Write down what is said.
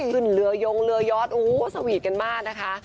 สึ่งเหลือยงเหลือยอดอู๋สวีทกันมากนะคะ